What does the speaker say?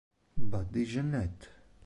Buddy Jeannette